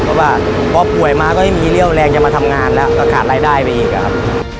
เพราะว่าพอป่วยมาก็ไม่มีเรี่ยวแรงจะมาทำงานแล้วก็ขาดรายได้ไปอีกอะครับ